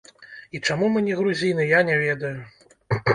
І чаму мы не грузіны, я не ведаю?!